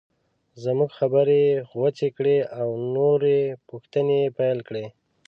زموږ خبرې یې غوڅې کړې او نورې پوښتنې یې پیل کړې.